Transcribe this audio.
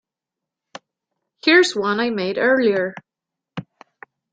Here's one I made earlier!.